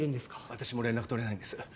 私も連絡取れないんです。